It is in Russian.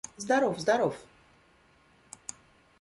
Здоров, здоров....